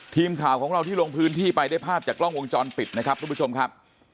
ทีมข่าวของเราที่ลงพื้นที่ไปได้ภาพจากกล้องวงจรปิดนะครับทุกผู้ชมครับ